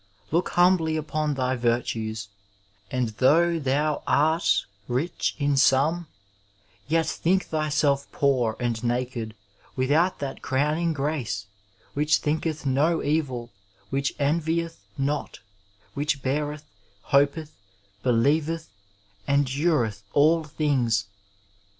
Look humbly upon thy virtues ; and though thou art rich in some, yet think thyself poor and naked without that crown ing grace, which thinketh no evil, which envieth not, which beareth, hopeth, believeth, endureth all things.